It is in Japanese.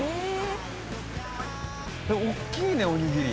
大きいねおにぎり！